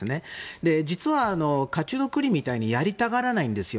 実は、火中の栗みたいにやりたがらないんですよ。